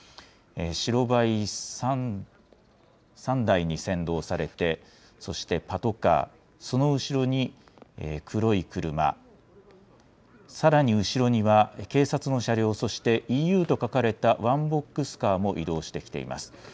白バイ３台に先導されて、そしてパトカー、その後ろに黒い車、さらに後ろには警察の車両、そしてＥＵと書かれたワンボックスカーも移動してきています。